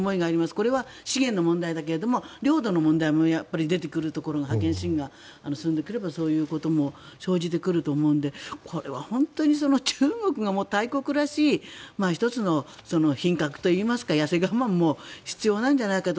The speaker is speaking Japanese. これは資源の問題だけれども領土の問題もやっぱり出てくるところが覇権主義が進んでくればそういうところも生じてくると思うのでこれは中国が大国らしい１つの品格といいますかやせ我慢も必要なんじゃないかなと。